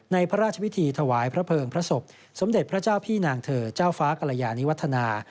พระราชพิธีถวายพระเภิงพระศพสมเด็จพระเจ้าพี่นางเธอเจ้าฟ้ากรยานิวัฒนา